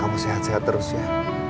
kamu sehat sehat terus ya